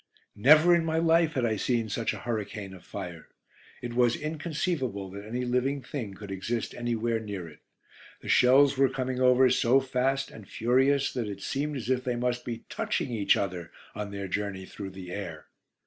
Never in my life had I seen such a hurricane of fire. It was inconceivable that any living thing could exist anywhere near it. The shells were coming over so fast and furious that it seemed as if they must be touching each other on their journey through the air.